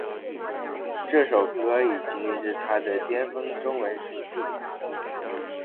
这首歌已经她的巅峰中文水平了